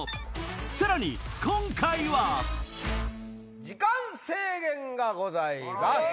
さらに今回は時間制限がございます。